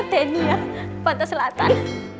udenya pantai selatan